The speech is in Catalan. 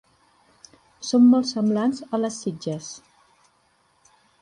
Són molt semblants a les sitges.